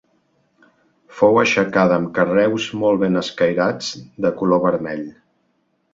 Fou aixecada amb carreus molt ben escairats de color vermell.